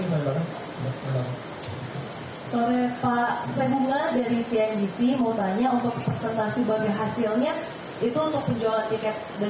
ini anggarannya apakah ada pak